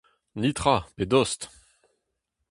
Netra pe dost !